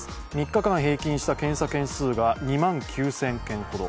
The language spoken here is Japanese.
３日間平均した検査件数が２万９０００件ほど。